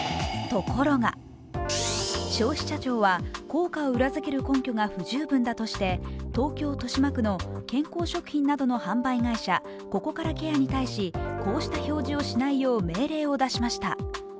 ところが、消費者庁は効果を裏付ける根拠が不十分だとして東京・豊島区の健康食品などの販売会社ココカラケアに対し、こうした表示をしないよう命令を出しました。